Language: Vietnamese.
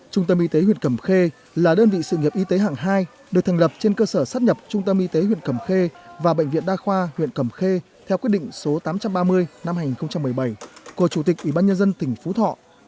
trung tâm y tế huyện cầm khê là đơn vị sự nghiệp y tế hạng hai được thành lập trên cơ sở sát nhập trung tâm y tế huyện cầm khê và bệnh viện đa khoa huyện cẩm khê theo quyết định số tám trăm ba mươi năm hai nghìn một mươi bảy của chủ tịch ủy ban nhân dân tỉnh phú thọ